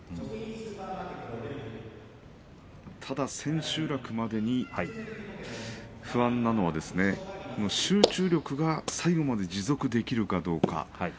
ただ千秋楽までに不安なのは集中力が最後まで持続できるかどうか。